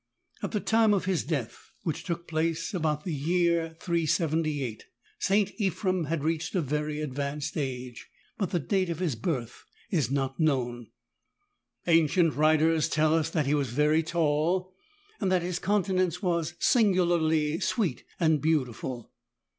At the time of his death, which took place about the year 37^, St. Ephrem had reached a very advanced age, but the date of his birth is not known. Ancient wTiters tell us that he was very tall, and that his countenance was singularly sweet and beautiful.